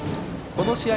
この試合